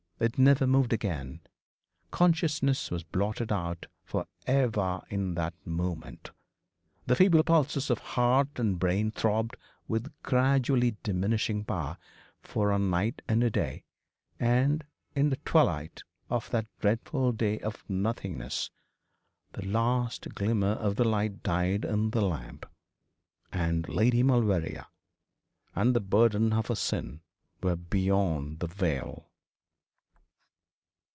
It never moved again. Consciousness was blotted out for ever in that moment. The feeble pulses of heart and brain throbbed with gradually diminishing power for a night and a day; and in the twilight of that dreadful day of nothingness the last glimmer of the light died in the lamp, and Lady Maulevrier and the burden of her sin were beyond the veil.